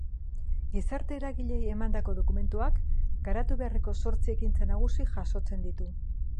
Gizarte-eragileei emandako dokumentuak garatu beharreko zortzi ekintza nagusi jasotzen ditu.